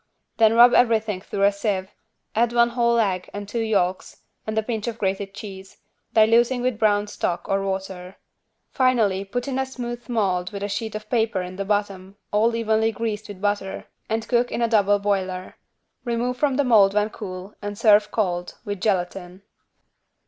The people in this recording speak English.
Then rub everything through a sieve, add one whole egg and two yolks and a pinch of grated cheese, diluting with brown stock or water. Finally put in a smooth mold with a sheet of paper in the bottom, all evenly greased with butter and cook in a double boiler. Remove from the mold when cool and serve cold, with gelatine.